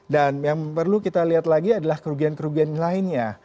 dan yang perlu kita lihat lagi adalah kerugian kerugian lainnya